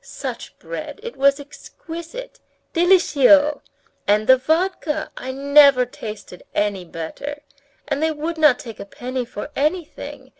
Such bread, it was exquisite! Délicieux! And the vodka, I never tasted any better. And they would not take a penny for anything.